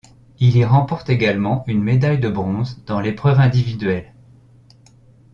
Il y remporte également une médaille de bronze dans l'épreuve individuelle.